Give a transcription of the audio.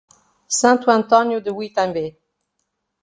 Santo Antônio do Itambé